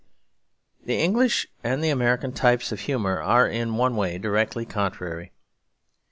The English and the American types of humour are in one way directly contrary.